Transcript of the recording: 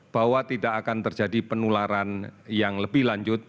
bahwa tidak akan terjadi penularan yang lebih lanjut